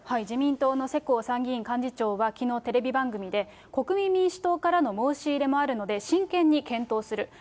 自民党の世耕参議院幹事長はきのうテレビ番組で、国民民主党からの申し入れもあるので、真剣に検討する。